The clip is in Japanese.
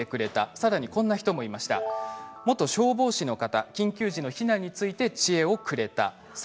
さらに元消防士の方は緊急時の避難について知恵をくれました。